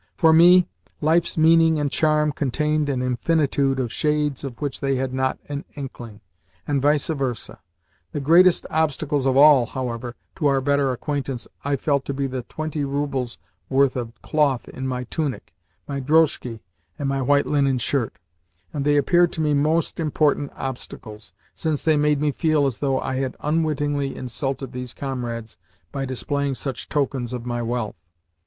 For me, life's meaning and charm contained an infinitude of shades of which they had not an inkling, and vice versa. The greatest obstacles of all, however, to our better acquaintance I felt to be the twenty roubles' worth of cloth in my tunic, my drozhki, and my white linen shirt; and they appeared to me most important obstacles, since they made me feel as though I had unwittingly insulted these comrades by displaying such tokens of my wealth.